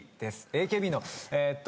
ＡＫＢのえっと。